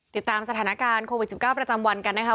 ติดตามสถานการณ์โควิด๑๙ประจำวันกันนะคะ